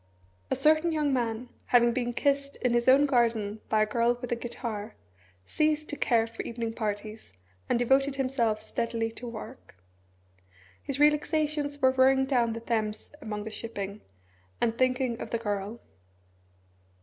A certain young man, having been kissed in his own garden by a girl with a guitar, ceased to care for evening parties, and devoted himself steadily to work. His relaxations were rowing down the Thames among the shipping, and thinking of the girl.